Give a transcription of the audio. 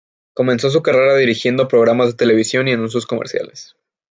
Comenzó su carrera dirigiendo programas de televisión y anuncios comerciales.